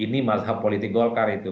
ini mazhab politik golkar itu